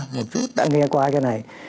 một chút đã nghe qua cái này